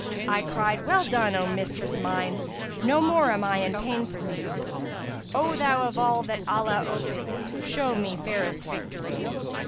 I cried: 'Well done, O mistress mine! * No more am I in pain for thee; O thou of all that Allah oped[FN#345] * Showest me fairest victory!'